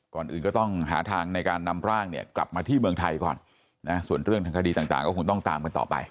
ก่อนอื่นก็ต้องหาทางในการนำร่างเนี่ยกลับมาที่เมืองไทยก่อนนะส่วนเรื่องทางคดีต่างก็คงต้องตามกันต่อไป